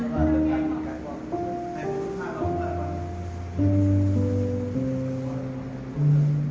โปรดติดตามตอนต่อไป